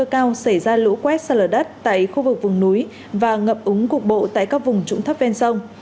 cao xảy ra lũ quét sạt lở đất tại khu vực vùng núi và ngập úng cục bộ tại các vùng trũng thấp ven sông